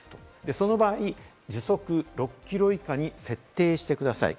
その場合、時速６キロ以下に設定してください。